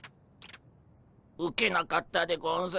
ウケなかったでゴンス。